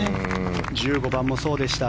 １５番もそうでした。